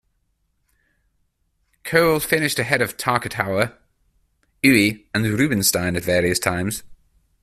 Colle finished ahead of Tartakower, Euwe and Rubinstein at various times.